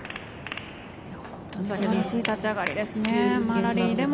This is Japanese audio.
素晴らしい立ち上がりですね。